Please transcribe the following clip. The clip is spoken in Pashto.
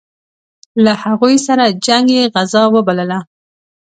له هغوی سره جنګ یې غزا وبلله.